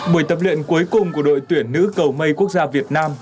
buổi tập luyện cuối cùng của đội tuyển nữ cầu mây quốc gia việt nam